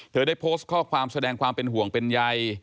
ได้โพสต์ข้อความแสดงความเป็นห่วงเป็นใย